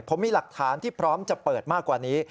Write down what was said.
ผมมีหลักฐานที่พร้อมจะเปิดมากกว่านี้